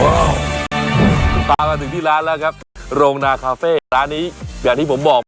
ตามมาถึงที่ร้านแล้วครับโรงนาคาเฟ่ร้านนี้อย่างที่ผมบอก